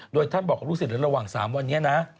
โดยท่านบอกครูสิทธิ์ระหว่าง๓วันนี้